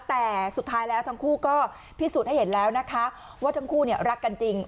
แต่สุดท้ายแล้วทั้งคู่ก็พิสูจน์ให้เห็นแล้วนะคะว่าทั้งคู่รักกันจริง